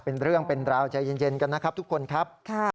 เป็นเรื่องเป็นราวใจเย็นกันนะครับทุกคนครับ